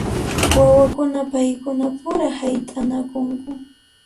Wawakuna paykuna pura hayt'anakunku.